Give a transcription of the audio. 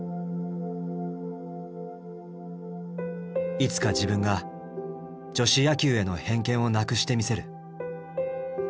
いつか自分が女子野球への偏見をなくしてみせる。